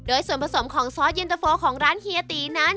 โดยส่วนผสมของซอสเย็นตะโฟของร้านเฮียตีนั้น